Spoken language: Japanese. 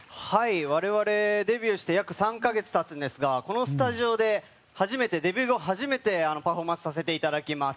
我々、デビューして約３か月経つんですがこのスタジオでデビュー後初めてパフォーマンスさせていただきます。